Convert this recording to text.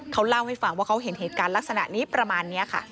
เขาเล่าให้ฟังว่าเขาเห็นเหตุการณ์ลักษณะนี้ประมาณนี้ค่ะ